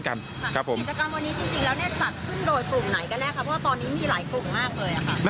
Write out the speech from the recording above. กิจกรรมวันนี้จริงแล้วเนี่ยจัดขึ้นโดยกลุ่มไหนกันแน่ครับเพราะว่าตอนนี้มีหลายกลุ่มมากเลยค่ะ